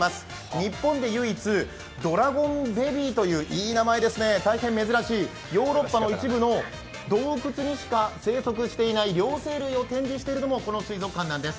日本で唯一、ドラゴンベビーといういい名前ですね、大変珍しいヨーロッパの一部の洞窟にしか生息していない両生類を展示しているのもこの水族館なんです。